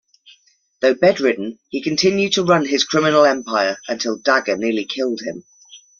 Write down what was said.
Though bedridden, he continued to run his criminal empire until Dagger nearly killed him.